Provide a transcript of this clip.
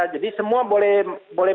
jadi semua boleh